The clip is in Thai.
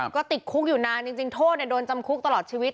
ก็ติดคุกอยู่นานจริงโทษโดนจำคุกตลอดชีวิต